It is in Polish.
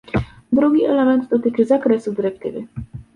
Drugi element dotyczy zakresu dyrektywy